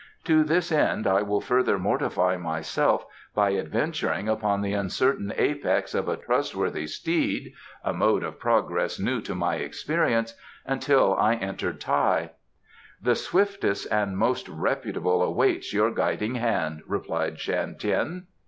"To this end I will further mortify myself by adventuring upon the uncertain apex of a trustworthy steed (a mode of progress new to my experience) until I enter Tai." "The swiftest and most reputable awaits your guiding hand," replied Shan Tien.